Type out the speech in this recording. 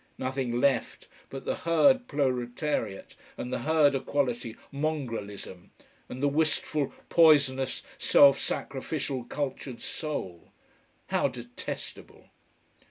Nothing left but the herd proletariat and the herd equality mongrelism, and the wistful poisonous self sacrificial cultured soul. How detestable.